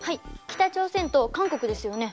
北朝鮮と韓国ですよね。